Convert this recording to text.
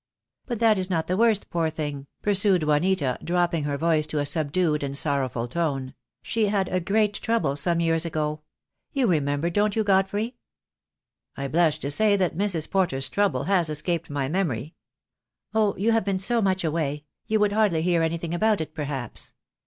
But that is not the worst, poor thing," pursued Juanita, dropping her voice to a subdued and sorrowful tone; "she had a great trouble some years ago. You remember, don't you, Godfrey?" THE DAY WILL COME. 7 I "I blush to say that Mrs. Porter's trouble has escaped my memory." "Oh, you have been so much away; you would hardly hear anything about it, perhaps.